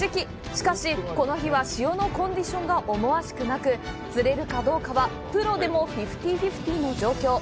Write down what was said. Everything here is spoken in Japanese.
しかし、この日は潮のコンディションが思わしくなく釣れるかどうかは、プロでもフィフティフィフティの状況。